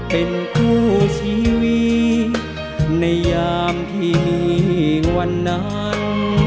เป็นคู่ชีวิตในยามที่มีวันนั้น